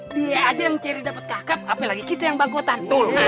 dia ada yang cari dapat kakap apalagi kita yang bagotan